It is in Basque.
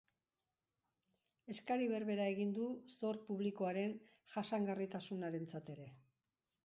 Eskari berbera egin du zor publikoaren jasangarritasunarentzat ere.